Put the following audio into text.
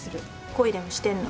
恋でもしてんの？